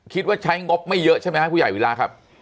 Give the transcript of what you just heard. คิดว่าใช้งบไม่เยอะใช่ไหมครับผู้ใหญ่วิราครับ